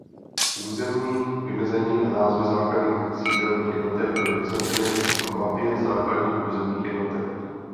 Územní vymezení a názvy základních sídelních jednotek byly vyznačeny v Mapě základních územních jednotek.